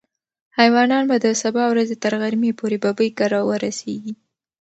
ایوانان به د سبا ورځې تر غرمې پورې ببۍ کره ورسېږي.